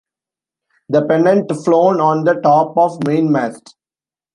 The pennant flown on the top of mainmast.